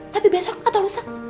tapi besok atau lusa